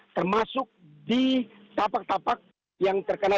termasuk di tapak tapak yang terkena